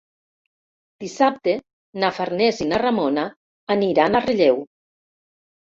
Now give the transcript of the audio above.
Dissabte na Farners i na Ramona aniran a Relleu.